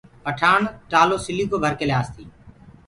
پٺآڻ ٽآلو سلِيٚ ڪو ڀر ڪي ليآس تي